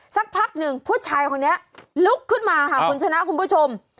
สักพักหนึ่งผู้ชายคนนี้ลุกขึ้นมาค่ะคุณชนะคุณผู้ชม